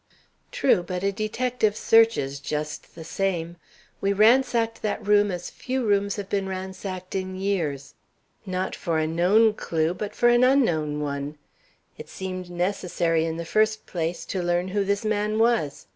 "True, but a detective searches just the same. We ransacked that room as few rooms have been ransacked in years. Not for a known clew, but for an unknown one. It seemed necessary in the first place to learn who this man was.